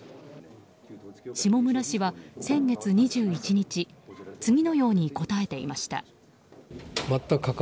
下村氏は先月２１日次のように答えていました。